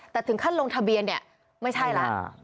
แต่ถึงขั้นลงทะเบียนเนี่ยไม่ใช่แล้ว